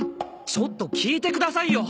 ちょっと聞いてくださいよ！